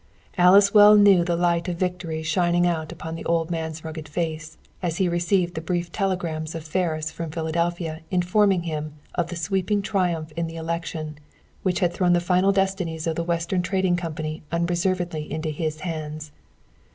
Alice well knew the light of Victory shining out upon the old man's rugged face, as he received the brief telegrams of Ferris from Philadelphia informing him of the sweeping triumph in the election which had thrown the final destines of the Western Trading Company unreservedly into his hands.